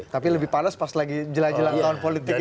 tapi lebih panas pas lagi jelajelang tahun politik ini